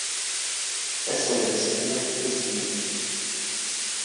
Aserdas-nni yeqqel d aselmad.